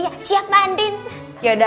kaya juga sadarrait pastist dng